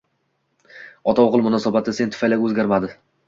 Ota va o`g`il munosabatlari sen tufayli o`zgarmadi